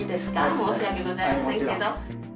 申し訳ございませんけど。